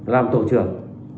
làm tổ trưởng